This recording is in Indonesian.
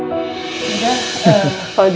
oh kenapa benny